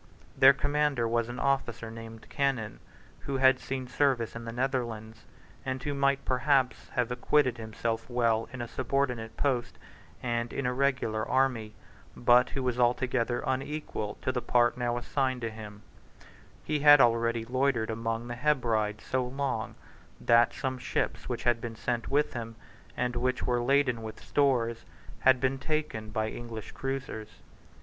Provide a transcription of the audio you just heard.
Their commander was an officer named Cannon, who had seen service in the Netherlands, and who might perhaps have acquitted himself well in a subordinate post and in a regular army, but who was altogether unequal to the part now assigned to him, He had already loitered among the Hebrides so long that some ships which had been sent with him, and which were laden with stores, had been taken by English cruisers.